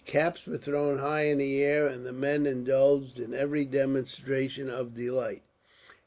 Caps were thrown high in the air, and the men indulged in every demonstration of delight.